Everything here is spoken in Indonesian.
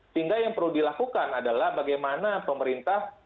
sehingga yang perlu dilakukan adalah bagaimana pemerintah